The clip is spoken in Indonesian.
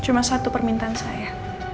cuma satu permintaan saya